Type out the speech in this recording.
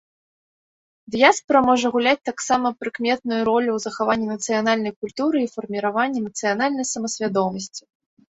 Дыяспара можа гуляць таксама прыкметную ролю ў захаванні нацыянальнай культуры і фарміраванні нацыянальнай самасвядомасці.